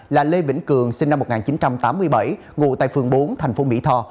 là lê vĩnh cường sinh năm một nghìn chín trăm tám mươi bảy ngụ tại phường bốn thành phố mỹ tho